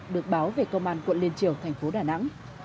được báo về công an quận điên triểu thành phố đà nẵng